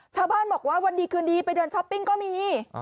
ชาวบ้านบอกว่าวันดีคืนดีไปเดินช้อปปิ้งก็มี